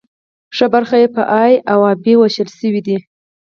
ښي برخه په ای او بي ویشل شوې ده.